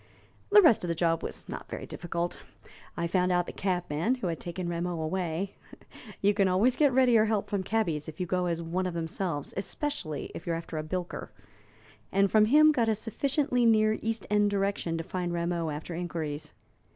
"The rest of the job was not very difficult. I found out the cabman who had taken Rameau away you can always get readier help from cabbies if you go as one of themselves, especially if you are after a bilker and from him got a sufficiently near East End direction to find Rameau after inquiries.